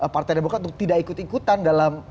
partai demokrat untuk tidak ikut ikutan dalam